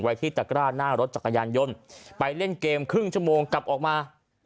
ไว้ที่ตะกร้าหน้ารถจักรยานยนต์ไปเล่นเกมครึ่งชั่วโมงกลับออกมา